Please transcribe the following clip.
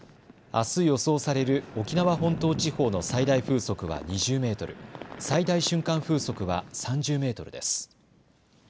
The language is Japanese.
あす予想される沖縄本島地方の最大風速は２０メートル、最大瞬間風速は３０メートルです。